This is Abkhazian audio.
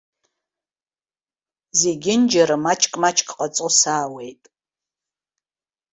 Зегьынџьара маҷк-маҷк ҟаҵо саауеит.